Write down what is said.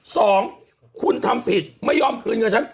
สองคุณทำผิดไม่ยอมคืนเงินฉัน